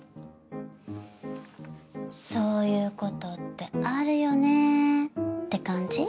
そういうことってあるよねぇって感じ？